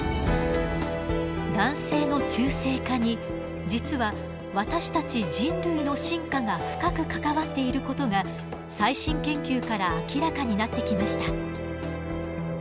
男性の中性化に実は私たち人類の進化が深く関わっていることが最新研究から明らかになってきました。